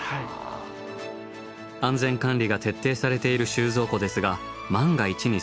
安全管理が徹底されている収蔵庫ですが万が一に備え更なる仕掛けが。